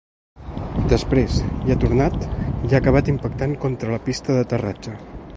Després, hi ha tornat, i ha acabat impactant contra la pista d’aterratge.